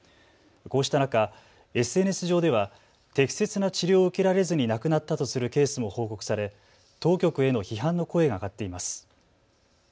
こうした中、ＳＮＳ上では適切な治療を受けられずに亡くなったとするケースも報告され当局への批判の声が上がっています。